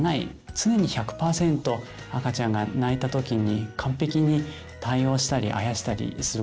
常に１００％赤ちゃんが泣いた時に完璧に対応したりあやしたりすることは不可能かなと思うんですね。